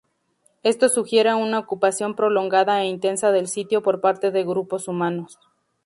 Esto sugiere una ocupación prolongada e intensa del sitio por parte de grupos humanos.